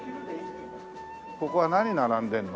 ここは何並んでるの？